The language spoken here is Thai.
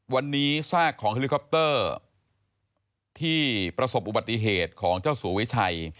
วันนี้ซากของเฮลิคอปเตอร์ที่ประสบอุบัติเหตุของเจ้าสัววิชัย